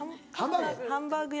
ハンバーグ。